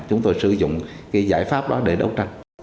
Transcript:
chúng tôi sử dụng cái giải pháp đó để đấu tranh